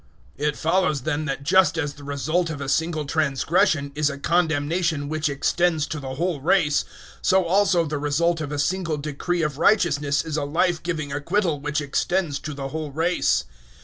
005:018 It follows then that just as the result of a single transgression is a condemnation which extends to the whole race, so also the result of a single decree of righteousness is a life giving acquittal which extends to the whole race.